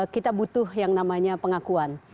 kita butuh yang namanya pengakuan